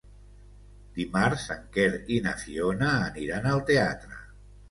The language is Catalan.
Dimarts en Quer i na Fiona aniran al teatre.